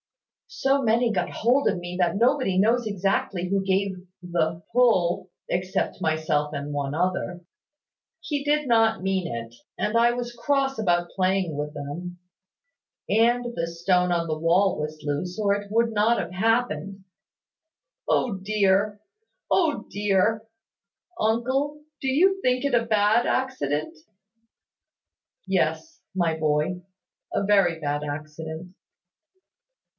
So many got hold of me that nobody knows exactly who gave the pull, except myself and one other. He did not mean it; and I was cross about playing with them; and the stone on the wall was loose or it would not have happened. O dear! O dear! Uncle, do you think it a bad accident?" "Yes, my boy, a very bad accident."